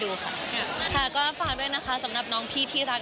น้องสนุกขอฟังด้วยนะคะสำนับสื่อพี่ดิก็ครับ